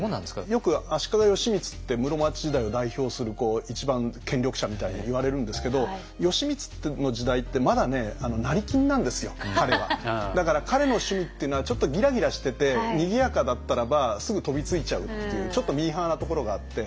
よく足利義満って室町時代を代表する一番権力者みたいにいわれるんですけどだから彼の趣味っていうのはちょっとギラギラしててにぎやかだったらばすぐ飛びついちゃうっていうちょっとミーハーなところがあって。